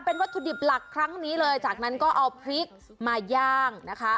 เป็นวัตถุดิบหลักครั้งนี้เลยจากนั้นก็เอาพริกมาย่างนะคะ